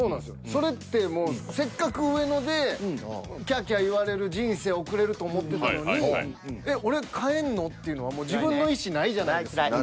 それってもうせっかく上野でキャーキャー言われる人生送れると思ってたのにえっ俺帰んの？っていうのは自分の意思ないじゃないですか。